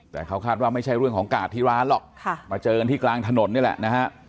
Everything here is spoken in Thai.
แต่เขาคาดว่าไม่ใช่เรื่องของกาดที่ร้านหรอกมาเจอกันที่กลางถนนนี่แหละนะฮะ